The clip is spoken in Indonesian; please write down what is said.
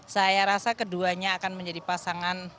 saya rasa keduanya akan menjadi pasangan